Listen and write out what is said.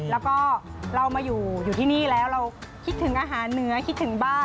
แล้วก็เรามาอยู่ที่นี่แล้วเราคิดถึงอาหารเหนือคิดถึงบ้าน